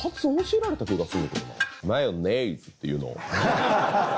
「マヨネイズ」っていうのを。